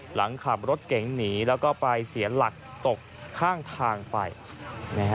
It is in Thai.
หลังขับรถเก๋งหนีแล้วก็ไปเสียหลักตกข้างทางไปนะฮะ